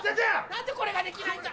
何でこれができないんだ。